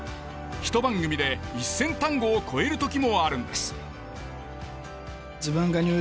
ひと番組で１，０００単語を超える時もあるんです。